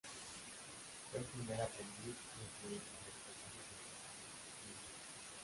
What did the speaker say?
Fue el primer aprendiz y el primer maestro humano del brahma-vidia.